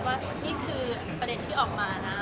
ว่านี่คือประเด็นที่ออกมานะ